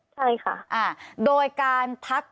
ใช่ค่ะโดยการทัก